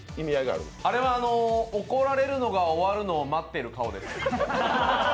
あれは怒られるのが終わるのを待ってる顔です。